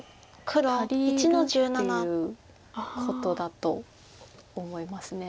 黒１の十七。っていうことだと思います。